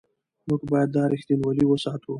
موږ باید دا رښتینولي وساتو.